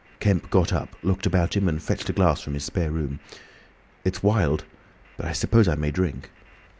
Kemp got up, looked about him, and fetched a glass from his spare room. "It's wild—but I suppose I may drink."